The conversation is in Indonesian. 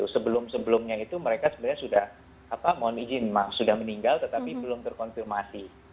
sebelum sebelumnya itu mereka sebenarnya sudah mohon izin sudah meninggal tetapi belum terkonfirmasi